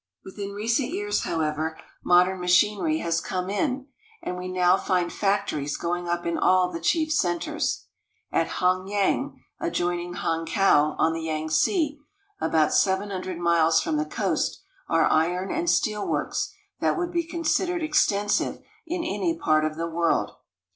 Within recent years, however, modern machinery has come in, and we now find factories going up in all the chief centers. At Hanyang, adjoining Hankau, on the Yangtze, about seven hundred miles from the coast, are iron and steel works that would be considered extensive in any part of the world.